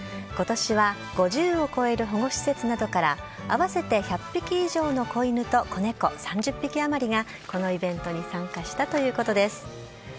今年は５０を超える保護施設などから合わせて１００匹以上の子犬と子猫３０匹あまりがこのイベントに参加したということです。